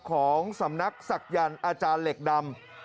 ของสำนักศักยันต์อาจารย์เหล็กดำ